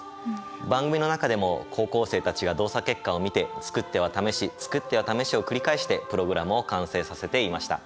番組の中でも高校生たちが動作結果を見て作っては試し作っては試しを繰り返してプログラムを完成させていました。